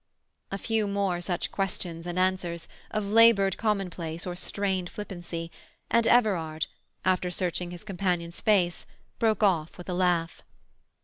A few more such questions and answers, of laboured commonplace or strained flippancy, and Everard, after searching his companion's face, broke off with a laugh.